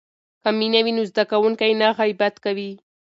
که مینه وي نو زده کوونکی نه غیبت کوي.